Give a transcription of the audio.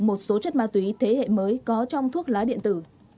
một số chất ma túy thế hệ mới có trong thuốc lá điện tử